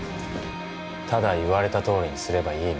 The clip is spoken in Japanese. ただ言われたとおりにすればいいの。